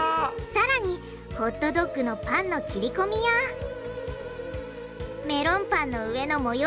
さらにホットドッグのパンの切り込みやメロンパンの上の模様